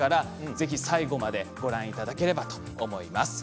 ぜひ最後までご覧いただければと思います。